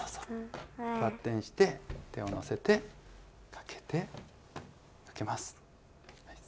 ばってんして手をのせてかけてかけます。